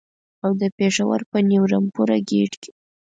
او د پېښور په نیو رمپوره ګېټ کې.